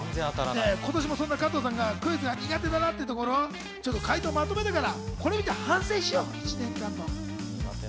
今年もそんな加藤さんがクイズ苦手だなっていうところを解答をまとめてみたからこれを見て反省しよう１年間の。